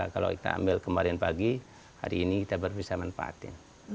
kalau kita ambil kemarin pagi hari ini kita baru bisa manfaatin